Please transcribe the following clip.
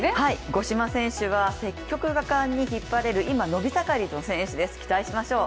五島選手は、積極果敢に引っ張れる今、伸び盛りの選手です、期待しましょう。